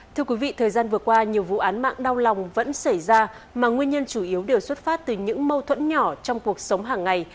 thưa quý vị thời gian vừa qua nhiều vụ án mạng đau lòng vẫn xảy ra mà nguyên nhân chủ yếu đều xuất phát từ những mâu thuẫn nhỏ trong cuộc sống hàng ngày